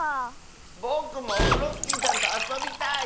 ぼくもオフロスキーさんとあそびたい！